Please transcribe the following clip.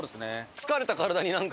疲れた体になんか。